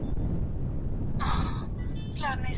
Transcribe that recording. تباهي به يې ليكلې په قسمت وي